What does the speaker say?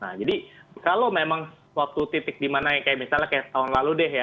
nah jadi kalau memang waktu titik dimana ya kayak misalnya kayak tahun lalu nih